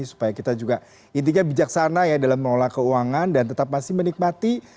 supaya kita juga intinya bijaksana ya dalam mengelola keuangan dan tetap masih menikmati